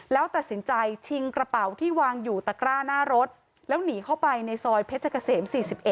แล้วตัดสินใจชิงกระเป๋าที่วางอยู่ตะกร้าหน้ารถแล้วหนีเข้าไปในซอยเพชรเกษม๔๑